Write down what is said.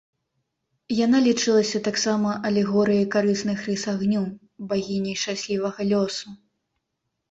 Яна лічылася таксама алегорыяй карысных рыс агню, багіняй шчаслівага лёсу.